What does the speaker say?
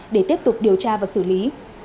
để tiếp tục điều tra và xử lý